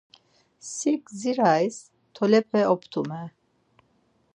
Si gdziras tolepe obtumer.